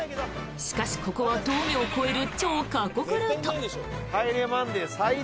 しかし、ここは峠を越える超過酷ルート。